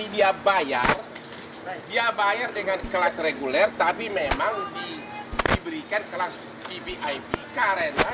dia bayar dengan kelas reguler tapi memang diberikan kelas vvip karena sebagai imbalannya